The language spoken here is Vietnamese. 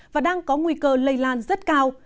và đang có nguy cơ lây lan rất cao